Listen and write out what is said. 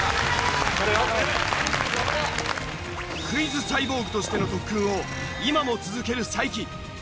クイズサイボーグとしての特訓を今も続ける才木。